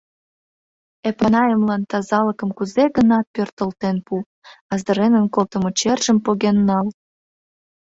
Эпанаемлан тазалыкым кузе-гынат пӧртылтен пу, азыренын колтымо чержым поген нал...